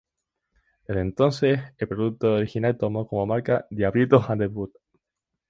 Desde entonces, el producto original tomó como marca Diablitos Under Wood.